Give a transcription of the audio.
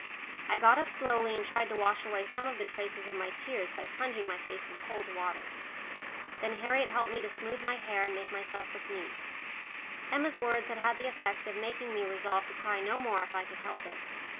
I got up slowly and tried to wash away some of the traces of my tears by plunging my face in cold water. Then Harriet helped me to smooth my hair and make myself look neat. Emma's words had had the effect of making me resolve to cry no more if I could help it.